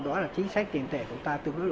đó là chính sách tiền tệ của ta